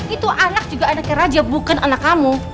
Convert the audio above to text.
itu anak juga anaknya raja bukan anak kamu